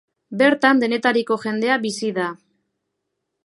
Bertan denetariko jendea bizi da.